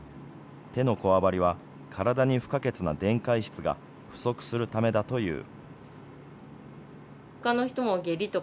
手のこわばりは、体に不可欠な電解質が不足するためだという。